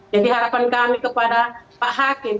harapan kami kepada pak hakim